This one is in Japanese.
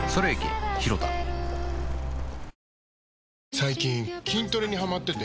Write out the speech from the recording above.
最近筋トレにハマってて。